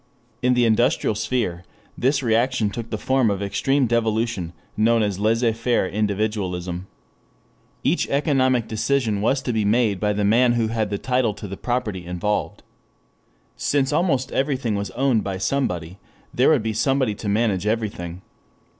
In the industrial sphere this reaction took the form of extreme devolution, known as laissez faire individualism. Each economic decision was to be made by the man who had title to the property involved. Since almost everything was owned by somebody, there would be somebody to manage everything.